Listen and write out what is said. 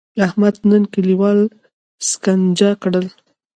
احمد نن کلیوال سکنجه کړل.